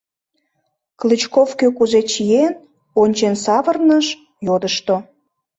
Клычков кӧ кузе чиен, ончен савырныш, йодышто.